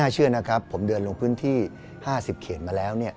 เชื่อนะครับผมเดินลงพื้นที่๕๐เขตมาแล้ว